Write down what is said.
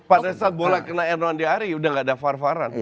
pada saat bola kena hernando ari udah enggak ada far faran